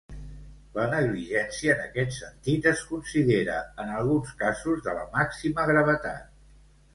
La negligència en aquest sentit es considera, en alguns casos, de la màxima gravetat.